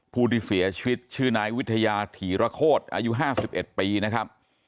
ผู้ที่เสียชีวิตชื่อนายวิทยาถีระโคตรอายุ๕๑ปีนะครับ